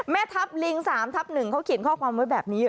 แม่ทัพลิง๓ทับ๑เขาเขียนข้อความไว้แบบนี้